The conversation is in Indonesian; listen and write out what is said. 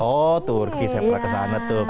oh turki saya pernah kesana tuh